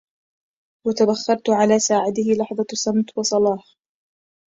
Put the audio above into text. وتبخرت على ساعده لحظة صمت, وصلاه